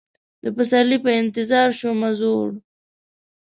د پسرلي په انتظار شومه زوړ